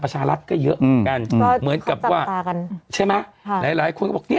ประชารัฐก็เยอะกันเหมือนกับว่าใช่ไหมหลายคนก็บอกเนี้ย